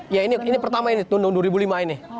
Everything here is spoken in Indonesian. ya ini pertama ini tundung dua ribu lima ini